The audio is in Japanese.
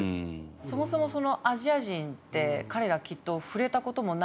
そもそもアジア人って彼らきっと触れた事もないような人種で。